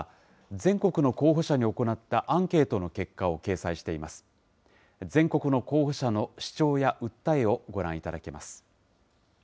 全国の候補者の主張や訴えをご覧いただけます。